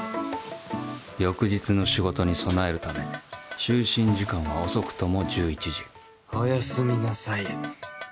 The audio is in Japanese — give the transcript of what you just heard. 翌日の仕事に備えるため就寝時間は遅くとも１１時おやすみなさい。